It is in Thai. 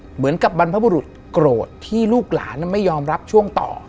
เหมือนกับบรรพบุรุษโกรธที่ลูกหลานไม่ยอมรับช่วงต่อ